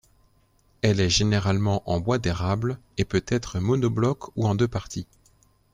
Elle est généralement en bois d’érable, et peut être mono-bloc ou en deux parties.